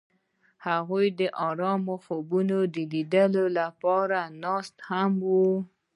هغوی د آرام خوبونو د لیدلو لپاره ناست هم وو.